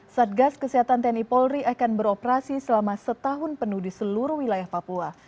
satgas kesehatan tni polri akan beroperasi selama setahun penuh di seluruh wilayah papua